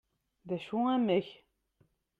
d acu amek?